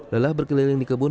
lelah berkeliling di kebun